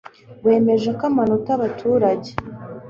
wemeje ko amanota abaturage